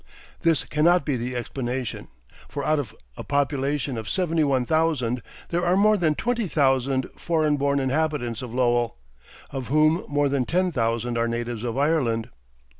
This cannot be the explanation; for out of a population of seventy one thousand, there are more than twenty thousand foreign born inhabitants of Lowell, of whom more than ten thousand are natives of Ireland.